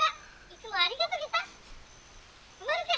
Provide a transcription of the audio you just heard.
いつもありがとゲタ。